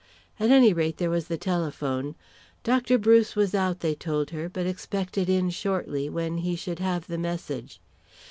At any rate there was the telephone. Dr. Bruce was out, they told her, but expected in shortly, when he should have the message.